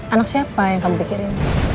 anak siapa yang kamu pikirin